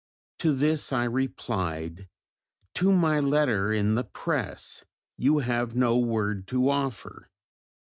To this I replied: To my letter in the Press you have no word to offer.